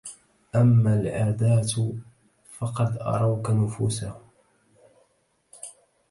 أما العداة فقد أروك نفوسهم